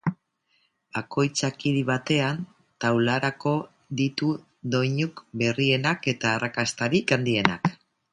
Bakoitzak hiri batean taularatuko ditu doinurik berrienak eta arrakastarik handienak.